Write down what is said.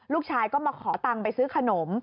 ลูกชายก็มาขอตังค์ไปซื้อขนม